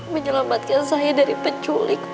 menyelamatkan saya dari penculik